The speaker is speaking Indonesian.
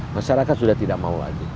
masyarakat sudah tidak mau lagi